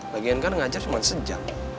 bagian kan ngajar cuma sejam